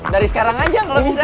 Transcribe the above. dari sekarang aja kalau bisa